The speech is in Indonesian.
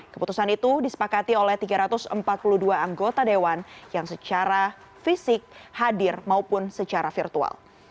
keputusan itu disepakati oleh tiga ratus empat puluh dua anggota dewan yang secara fisik hadir maupun secara virtual